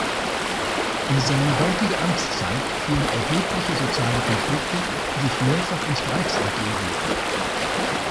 In seine dortige Amtszeit fielen erhebliche soziale Konflikte, die sich mehrfach in Streiks entluden.